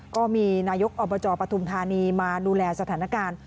ก็มีนายกอบจปฐุมธานีมาดูแลสถานการณ์